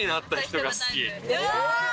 うわ！